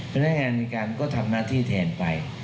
พนักงานในการก็ทำหน้าที่แทนไป